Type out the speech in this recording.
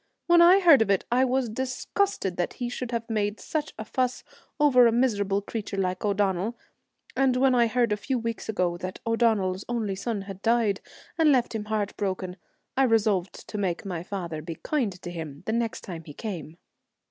When I heard of it I was disgusted that he should have made such a fuss over a miserable creature like O'Donnell; and when I heard a few weeks ago that O'Donnell's only son had died and left him heart broken, I resolved to make my father be kind to him next time he came.'